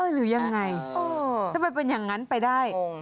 หรือยังไงถ้ามันเป็นอย่างนั้นไปได้